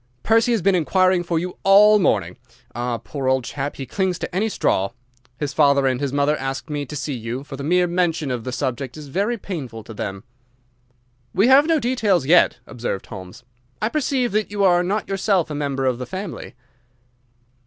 "Percy has been inquiring for you all morning. Ah, poor old chap, he clings to any straw! His father and his mother asked me to see you, for the mere mention of the subject is very painful to them." "We have had no details yet," observed Holmes. "I perceive that you are not yourself a member of the family."